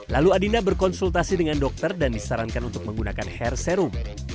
lalu adinda berkonsultasi dengan dokter dan disarankan untuk menggunakan hair serum